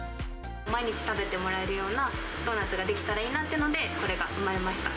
毎日食べてもらえるようなドーナツができたらいいなっていうので、これが生まれました。